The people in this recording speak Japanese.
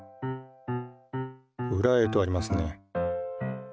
「ウラへ」とありますね。